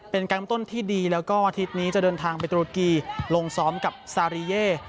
เป็นกลางต้นที่ดีแล้วก็อาทิตย์นี้จะเดินทางไปตุรกีลงซ้อมกับซารีเย่